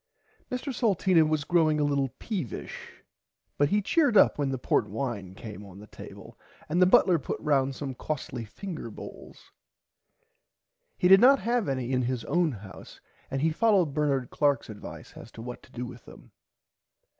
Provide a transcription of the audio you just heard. Mr Salteena was growing a little peevish but he cheered up when the Port wine came on the table and the butler put round some costly finger bowls. He did not have any in his own house and he followed Bernard Clarks advice as to what to do with them.